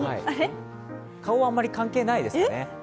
顔はあんまり関係ないですね。